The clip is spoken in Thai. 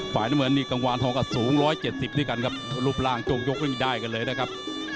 ฝ่ายน้ำเงินจากกังวาลทองกระสุง๑๗๐นี่แก่ลูกล่างโจมยกไว้ได้ครับ